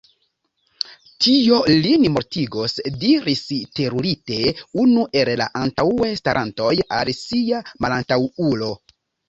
Tio lin mortigos, diris terurite unu el la antaŭe starantoj al sia malantaŭulo.